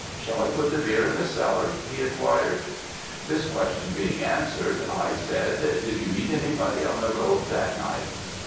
Shall I put the beer in the cellar?' he enquired. "This question being answered, I said, 'Did you meet anybody on the road that night?'